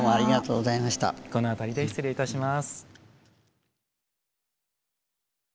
この辺りで失礼いたします。